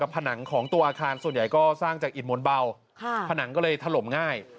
ผนังก็เลยถล่มง่าย